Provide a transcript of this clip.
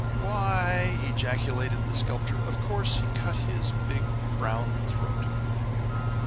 "Why," ejaculated the Sculptor, "of course he cut his big brown throat!"